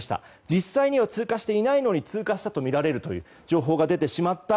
実際には通過していないのに通過したとみられるという情報が出てしまった。